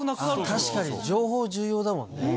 確かに情報重要だもんね。